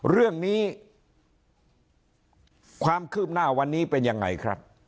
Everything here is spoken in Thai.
เรื่องนี้ความคืบหน้าวันนี้เป็นยังไงครับ